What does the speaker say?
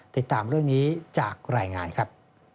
ติดตามเรื่องนี้จากรายงานครับ